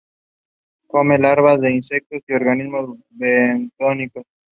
Come larvas de insectos Y organismos bentónicos.